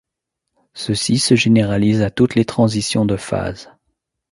Ceci se généralise à toutes les transitions de phase.